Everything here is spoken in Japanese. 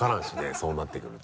そうなってくると。